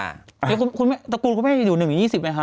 เดี๋ยวตระกูลคุณแม่อยู่หนึ่งหรือยี่สิบไหมคะ